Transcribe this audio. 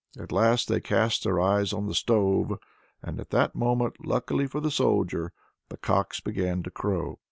At last they cast their eyes on the stove; at that moment, luckily for the Soldier, the cocks began to crow.